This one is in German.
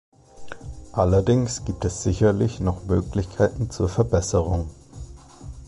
Allerdings gibt es sicherlich noch Möglichkeiten zur Verbesserung.